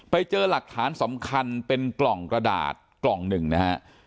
ไปเจอหลักฐานสำคัญเป็นกล่องกระดาษกล่องหนึ่งนะฮะ